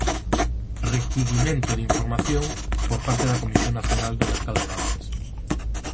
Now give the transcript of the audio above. Requirimento de información por parte da Comisión Nacional do Mercado de Valores.